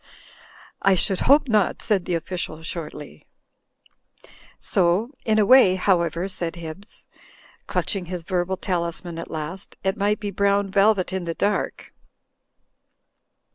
"I should hope not," said the official, shortly. "So— in a way — ^however," said Hibbs, clutching his verbal talisman at last, "it might be brown velvet in the dark."